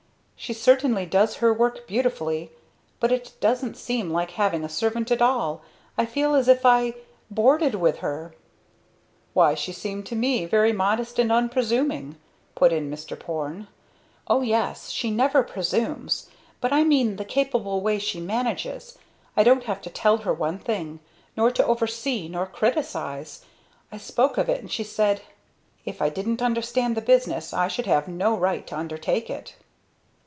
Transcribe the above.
She certainly does her work beautiful, but it doesn't seem like having a servant at all. I feel as if I boarded with her!" "Why she seemed to me very modest and unpresuming," put in Mr. Porne. "O yes, she never presumes. But I mean the capable way she manages I don't have to tell her one thing, nor to oversee, nor criticize. I spoke of it and she said, 'If I didn't understand the business I should have no right to undertake it."